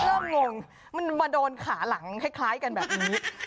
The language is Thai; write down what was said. งงมันมาโดนขาหลังคล้ายกันแบบนี้